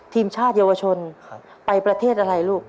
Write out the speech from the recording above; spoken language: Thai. ทีมชาติเยาวชนไปประเทศอะไรลูก